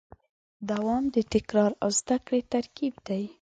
دوام د تکرار او زدهکړې ترکیب دی.